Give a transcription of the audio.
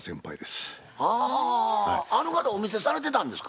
ああの方お店されてたんですか？